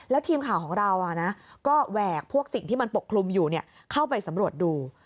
แล้วทีมข่าวของเราก็แหวกพวกสิ่งที่มันปกคลุมอยู่เข้าไปสำรวจดู